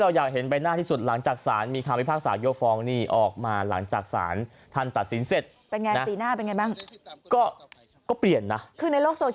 เดี๋ยวจะเป็นเหมือนก็